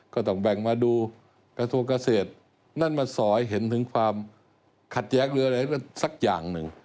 ก็ต้องแบ่งมาดูกาโทนเกษตรนั้นมาสอยเห็นถึงความขาดแยกหรืออะไรเหรอ